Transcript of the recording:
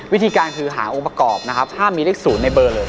วิธีการคือหาองค์ประกอบนะครับห้ามมีเลข๐ในเบอร์เลย